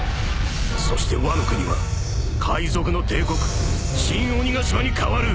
そしてワノ国は海賊の帝国新鬼ヶ島に変わる！